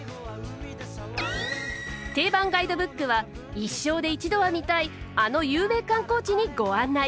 「定番ガイドブック」は一生で一度は見たいあの有名観光地にご案内。